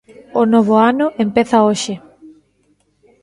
O novo ano empeza hoxe!